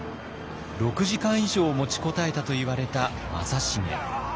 ６時間以上持ちこたえたといわれた正成。